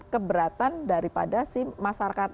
keberatan daripada si masyarakat